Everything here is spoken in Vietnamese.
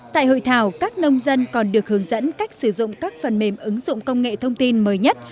tại hội thảo các nông dân còn được hướng dẫn cách sử dụng các phần mềm ứng dụng công nghệ thông tin mới nhất